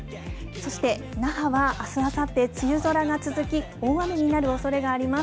そして那覇はあす、あさって、梅雨空が続き、大雨になるおそれがあります。